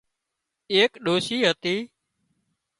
ايڪ ڏوشي هتي